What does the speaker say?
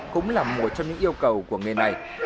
cũng là một trong những yêu cầu của nghề này